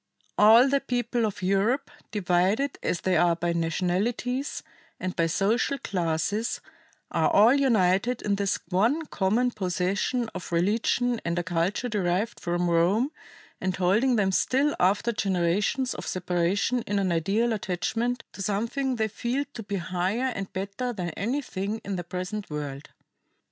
"All the peoples of Europe, divided as they are by nationalities and by social classes, are all united in this one common possession of religion and a culture derived from Rome and holding them still after generations of separation in an ideal attachment to something they feel to be higher and better than anything in their present world."